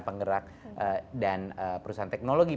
penggerak dan perusahaan teknologi